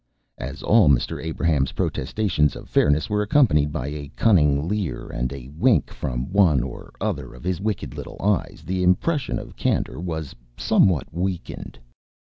As all Mr. Abraham's protestations of fairness were accompanied by a cunning leer and a wink from one or other of his wicked little eyes, the impression of candour was somewhat weakened.